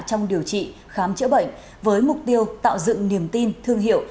trong điều trị khám chữa bệnh với mục tiêu tạo dựng niềm tin thương hiệu